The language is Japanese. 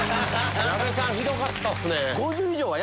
矢部さんひどかったっすね。